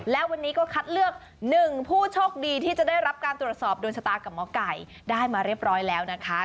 และวันนี้ก็คัดเลือก๑ผู้โชคดีที่จะได้รับการตรวจสอบโดนชะตากับหมอไก่ได้มาเรียบร้อยแล้วนะคะ